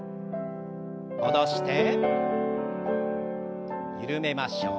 戻して緩めましょう。